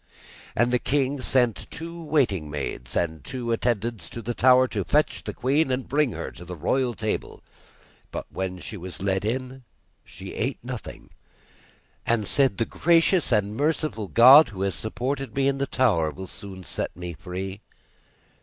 And the king sent two waiting maids and two attendants into the tower, to fetch the queen and bring her to the royal table. But when she was led in she ate nothing, and said: 'The gracious and merciful God who has supported me in the tower, will soon set me free.